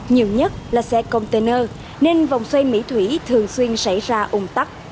nhiều nhất là xe container nên vòng xoay mỹ thủy thường xuyên xảy ra ủng tắc